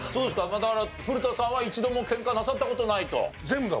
まあだから古田さんは一度もケンカなさった事ないと？